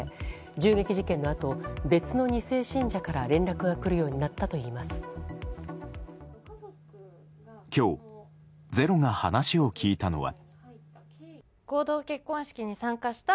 銃撃事件のあと別の二世信者から連絡が来るようになったと今日、「ｚｅｒｏ」が話を聞いたのは。